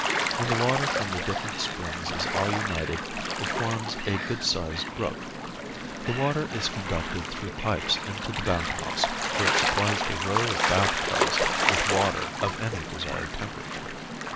When the water from the different springs is all united it forms a good sized brook. The water is conducted through pipes into the bath house, where it supplies a row of bath tubs with water of any desired temperature.